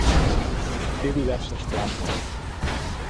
Té diverses places.